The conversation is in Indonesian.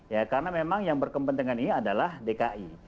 ya karena memang yang berkepentingan ini adalah dki